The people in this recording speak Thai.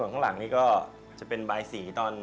ส่วนข้างหลังนี้ก็จะเป็นใบสี